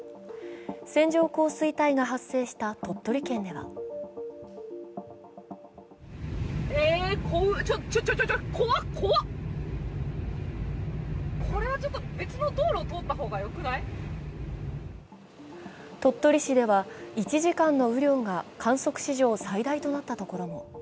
線状降水帯が発生した鳥取県では鳥取市では１時間の雨量が観測史上最大となったところも。